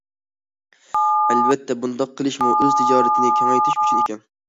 ئەلۋەتتە، بۇنداق قىلىشىمۇ ئۆز تىجارىتىنى كېڭەيتىش ئۈچۈن ئىكەن.